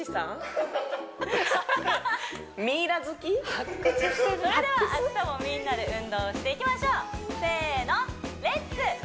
発掘してるそれでは明日もみんなで運動していきましょうせーの「レッツ！